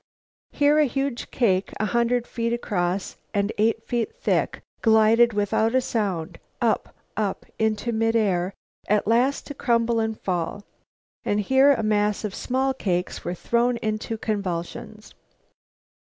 Here a huge cake a hundred feet across and eight feet thick glided without a sound, up up, into mid air, at last to crumble and fall; and here a mass of small cakes were thrown into convulsions.